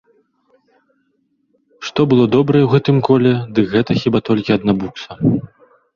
Што было добрае ў гэтым коле, дык гэта хіба толькі адна букса.